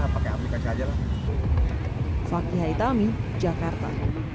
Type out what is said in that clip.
pakai aplikasi aja lah fakih hitami jakarta